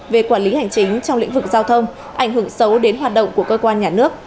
về quản lý hành chính trong lĩnh vực giao thông ảnh hưởng xấu đến hoạt động của cơ quan nhà nước